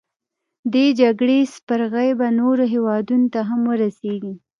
دې جګړې سپرغۍ به نورو هیوادونو ته هم ورسیږي.